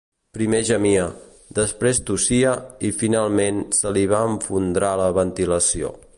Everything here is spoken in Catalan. Primer gemia, després tossia i finalment se li va esfondrar la ventilació.